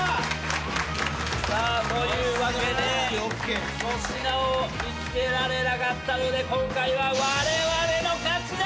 さあというわけで粗品を見つけられなかったので今回はわれわれの勝ちだ！